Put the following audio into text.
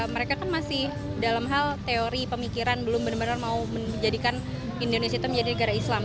mereka kan masih dalam hal teori pemikiran belum benar benar mau menjadikan indonesia itu menjadi negara islam